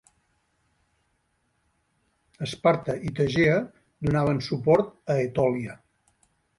Esparta i Tegea donaven suport a Etòlia.